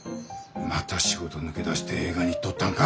また仕事抜け出して映画に行っとったんか。